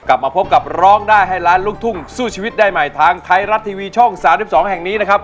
กลับมาพบกับร้องได้ให้ล้านลูกทุ่งสู้ชีวิตได้ใหม่ทางไทยรัฐทีวีช่อง๓๒แห่งนี้นะครับ